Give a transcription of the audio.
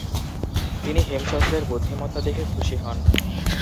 তিনি হেমচন্দ্রের বুদ্ধিমত্তা দেখে খুশি হন।